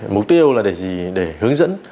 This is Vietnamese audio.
mục tiêu là để hướng dẫn